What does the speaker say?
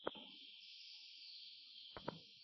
দুই পয়সার গায়ক!